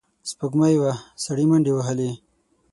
سپوږمۍ وه، سړی منډې وهلې.